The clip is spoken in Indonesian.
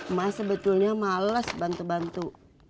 emak sebetulnya malas bantu bantu